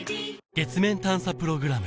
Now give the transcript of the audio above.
月面探査プログラム